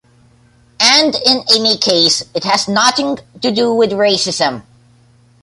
And in any case, it has nothing to do with racism.